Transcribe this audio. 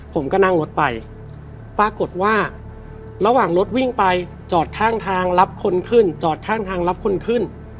ผมก็นั่งรถไปปรากฏว่าระหว่างรถวิ่งไปจอดข้างทางรับคนขึ้นจอดข้างทางรับคนขึ้น